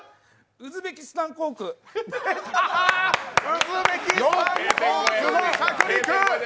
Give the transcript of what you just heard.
ウズベキスタン航空着陸！！